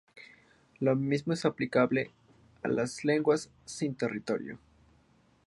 Lo mismo es aplicable a las "lenguas sin territorio".